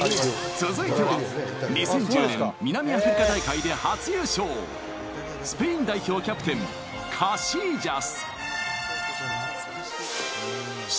続いては２０１０年南アフリカ大会で初優勝スペイン代表キャプテンカシージャス。